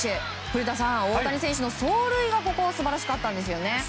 古田さん、大谷選手の走塁がここ素晴らしかったんですよね。